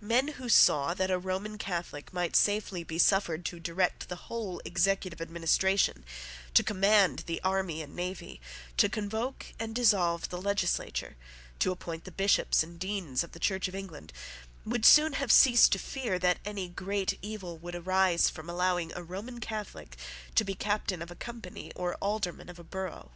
Men who saw that a Roman Catholic might safely be suffered to direct the whole executive administration, to command the army and navy, to convoke and dissolve the legislature, to appoint the Bishops and Deans of the Church of England, would soon have ceased to fear that any great evil would arise from allowing a Roman Catholic to be captain of a company or alderman of a borough.